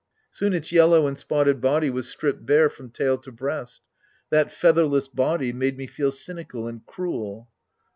Soon its yellow and spotted body was stripped bare from tail to breast. That featherless body made me feel cynical and cruel.